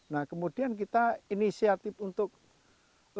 nah kemudian kita inisiatif untuk membuat buah naga